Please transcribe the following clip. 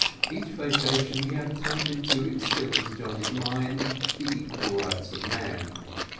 Each vacation he had attempted to instil into Johnny's mind the equal rights of man.